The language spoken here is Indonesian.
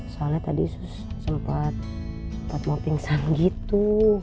soalnya tadi sempat mau pingsan gitu